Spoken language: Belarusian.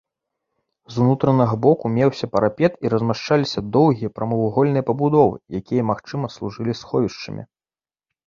З унутранага боку меўся парапет і размяшчаліся доўгія прамавугольныя пабудовы, якія, магчыма, служылі сховішчамі.